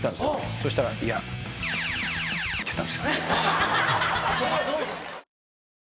そしたら「いや」って言ったんです。